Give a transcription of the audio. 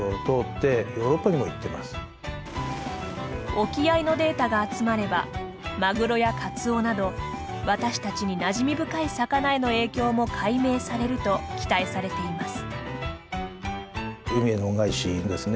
沖合のデータが集まればマグロやカツオなど私たちになじみ深い魚への影響も解明されると期待されています。